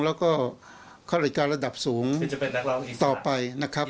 แล้วก็เข้าหลักรายการระดับสูงต่อไป